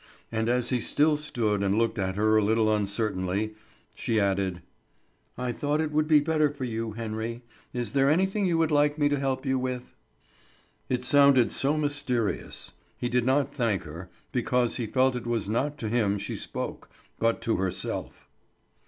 And as he still stood and looked at her a little uncertainly, she added, "I thought it would be better for you, Henry. Is there anything you would like me to help you with?" It sounded so mysterious. He did not thank her, because he felt it was not to him she spoke, but to herself.